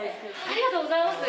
ありがとうございます。